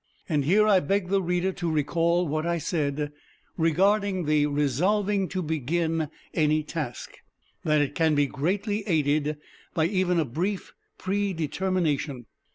And here I beg the reader to recall what I said regarding the resolving to begin any task, that it can be greatly aided by even a brief pre determination.